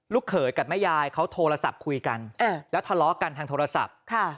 เขยกับแม่ยายเขาโทรศัพท์คุยกันแล้วทะเลาะกันทางโทรศัพท์